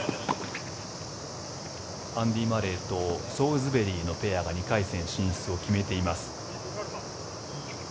アンディ・マレーとソウズベリーのペアが２回戦進出を決めています。